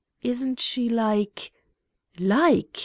Isn't she like—?" "Like!"